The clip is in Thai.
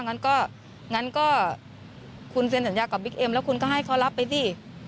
งั้นก็งั้นก็คุณเซ็นสัญญากับบิ๊กเอ็มแล้วคุณก็ให้เขารับไปสิ